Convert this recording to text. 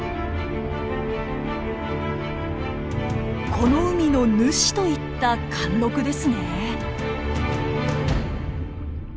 この海の主といった貫禄ですね。